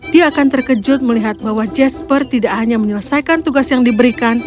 dia akan terkejut melihat bahwa jasper tidak hanya menyelesaikan tugas yang diberikan